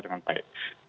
terkontrol dengan baik